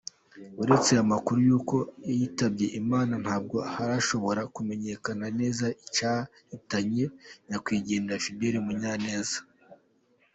Uretse amakuru y’uko yitabye Imana ntabwo harashobora kumenyekana neza icyahitanye Nyakwigendera Fidèle Munyaneza.